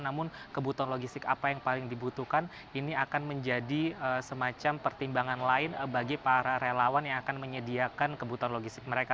namun kebutuhan logistik apa yang paling dibutuhkan ini akan menjadi semacam pertimbangan lain bagi para relawan yang akan menyediakan kebutuhan logistik mereka